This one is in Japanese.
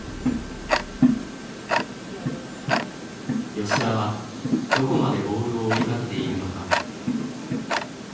吉田はどこまでボールを追いかけているのか？